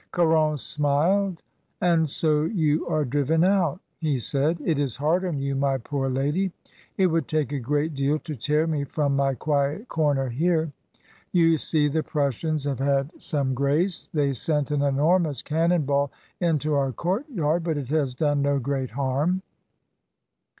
Caron smiled. "And so you are driven out?" he said. "It is hard on you, my poor lady. It would take a great deal to tear me from my quiet corner here. You see the Prussians have had some ONE OLD FRIEND TO ANOTHER. 229 grace; they sent an enormous cannon ball into our courtyard, but it has done no great harm.